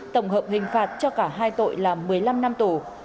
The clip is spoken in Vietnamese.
tổng hợp hình phạt cho cả hai tội là một mươi năm năm tù